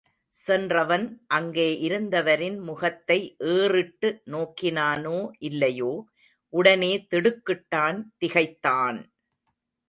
சென்றவன் அங்கே இருந்த வரின் முகத்தை ஏறிட்டு நோக்கினானோ இல்லையோ, உடனே திடுக்கிட்டான் திகைத்தான்!